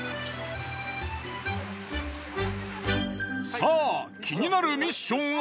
さあ気になるミッションは？